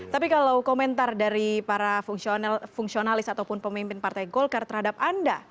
tapi kalau komentar dari para fungsionalis ataupun pemimpin partai golkar terhadap anda